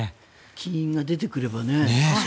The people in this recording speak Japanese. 金印が出てくればね。